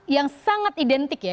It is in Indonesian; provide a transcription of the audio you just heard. yang sangat identik ya